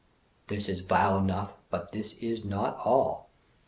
This is vile enough, but this is not all.